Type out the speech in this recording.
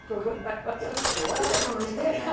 笑うほどのネタやない。